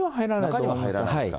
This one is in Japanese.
中には入らないですか。